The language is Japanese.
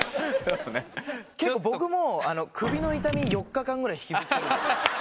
結構僕も首の痛み４日間ぐらい引きずってる。